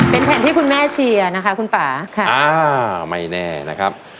เป็นแผ่นที่คุณแม่เชียร์นะคะคุณป่าค่ะอ่าไม่แน่นะครับ